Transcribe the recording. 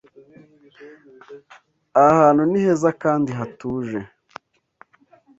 Aha hantu ni heza kandi hatuje.